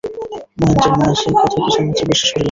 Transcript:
মহেন্দ্রের মা সে কথা কিছুমাত্র বিশ্বাস করিলেন না।